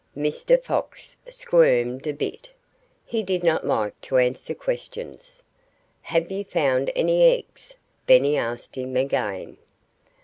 Mr. Fox squirmed a bit. He did not like to answer questions. "Have you found any eggs?" Benny asked him again.